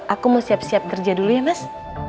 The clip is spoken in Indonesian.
aku mau siap siap kerja dulu ya mas